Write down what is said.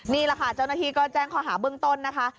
นี่แหละค่ะเจ้าหน้าที่ก็แจ้งข้อหาเบื้องต้นนะคะ